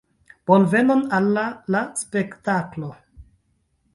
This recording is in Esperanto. Bonvenon al la spektaklo!